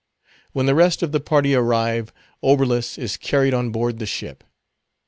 When the rest of the party arrive, Oberlus is carried on board the ship.